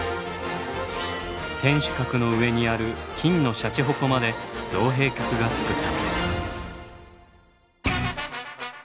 天守閣の上にある金の鯱まで造幣局が造ったのです。